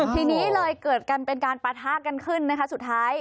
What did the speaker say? ทีนี้เลยเกิดกันเป็นการปะทะกันขึ้นนะคะสุดท้าย